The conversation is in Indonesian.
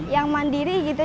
yang mandiri gitu